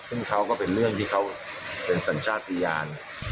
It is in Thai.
ซึ่งเขาก็เป็นเรื่องที่เขาเป็นสัญชาติพยาน